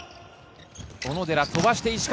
小野寺、飛ばして石川。